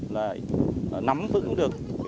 là nắm vững được